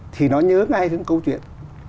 thì nó nhớ ngay đến câu chuyện